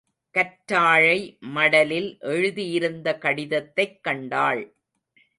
கற்றாழை மடலில் எழுதியிருந்த கடிதத்தைக் கண்டாள்.